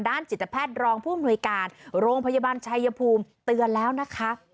จิตแพทย์รองผู้อำนวยการโรงพยาบาลชายภูมิเตือนแล้วนะคะ